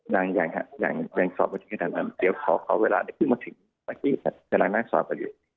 ยังอย่างค่ะยังสอบเวลาที่เขาทำกันเดี๋ยวขอเขาเวลาได้พึ่งมาถึงที่เวลานั้นสอบกันอยู่